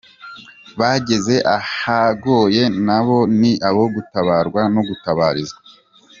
Bageze ahagoye, nabo ni abo gutabarwa no gutabarizwa.